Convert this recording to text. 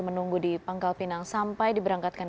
menunggu di pangkal pinang sampai diberangkatkan